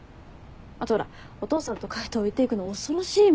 あとほらお父さんと海斗置いていくの恐ろしいもん。